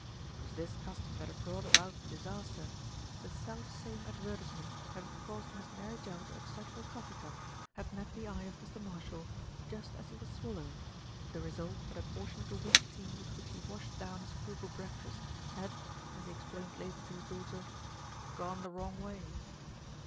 It was this custom that had brought about disaster. The self same advertisement that had caused Miss Mary Jell to upset her coffee cup, had met the eye of Mr. Marshall just as he was swallowing, with the result that a portion of the weak tea with which he washed down his frugal breakfast, had, as he explained later to his daughter, "gone the wrong way."